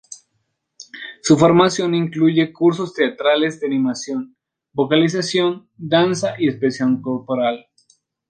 Su formación incluye cursos teatrales, de animación, vocalización, danza y expresión corporal.